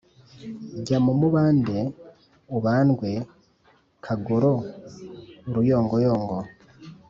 Jya mu mubande ubandwe Kagoro-Uruyongoyongo.